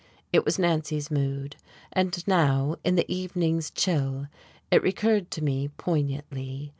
It was Nancy's mood; and now, in the evening's chill, it recurred to me poignantly.